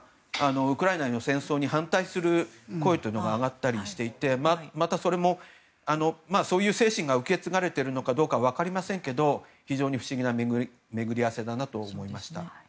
ウクライナの戦争に反対する声というのが上がったりしていてまたそれも、そういう精神が受け継がれているのかどうか分かりませんけど非常に不思議な巡り合わせだなと思いました。